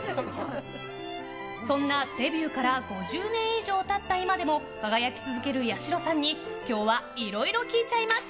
そんなデビューから５０年以上経った今でも輝き続ける八代さんに今日はいろいろ聞いちゃいます。